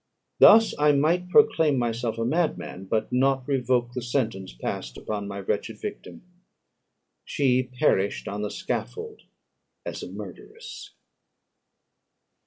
Thus I might proclaim myself a madman, but not revoke the sentence passed upon my wretched victim. She perished on the scaffold as a murderess!